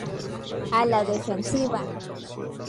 A la defensiva.